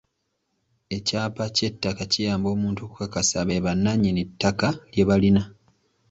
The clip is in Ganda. Ekyapa ky'ettaka kiyamba omuntu okukakasa be bannannyini ttaka lye balina.